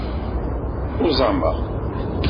Uẓameɣ.